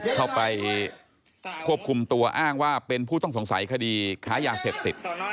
เข้าไปควบคุมตัวอ้างว่าเป็นผู้ต้องสงสัยคดีค้ายาเสพติด